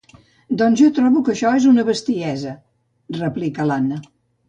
Doncs jo trobo que això és una bestiesa —replica l'Anna—.